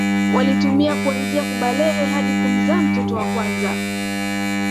Walitumia kuanzia kubalehe hadi kumzaa mtoto wa kwanza